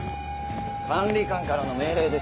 管理官からの命令です。